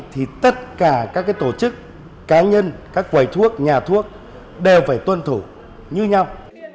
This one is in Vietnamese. thì tất cả các tổ chức cá nhân các quầy thuốc nhà thuốc đều phải tuân thủ như nhau